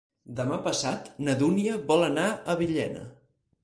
Demà passat na Dúnia vol anar a Villena.